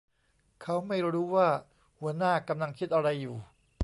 เขาไม่รู้ว่าหัวหน้ากำลังคิดอะไรอยู่